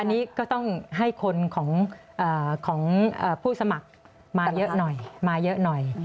อันนี้ก็ต้องให้คนของผู้สมัครมาเยอะหน่อย